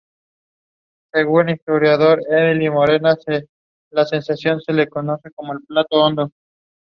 He was laid to rest in the in Dresden.